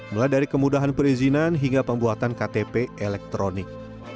mulai dari kemudahan perizinan hingga pembuatan ktp elektronik